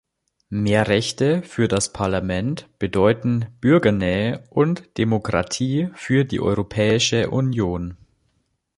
Mehr Rechte für das Parlament bedeuten Bürgernähe und Demokratie für die Europäische Union.